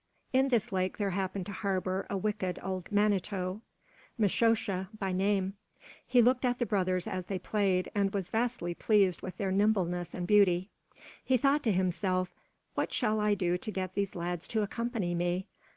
In this lake there happened to harbor a wicked old Manito, Mishosha by name. He looked at the brothers as they played and was vastly pleased with their nimbleness and beauty. He thought to himself, "What shall I do to get these lads to accompany me?